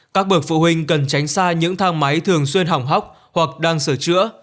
các bậc phụ huynh cần tránh xa những thang máy thường xuyên hỏng hóc hoặc đang sửa chữa